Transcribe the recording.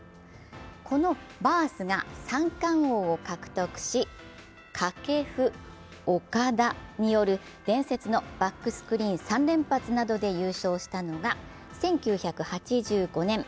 このバースが三冠王を獲得し、掛布、岡田による伝説のバックスクリーン３連発などで優勝したのが１９８５年。